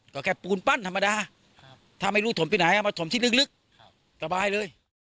ก็แค่ปูนปั้นธรรมดาถ้าไม่รู้ถมไปไหนเอามาถมที่ลึกสบายเลย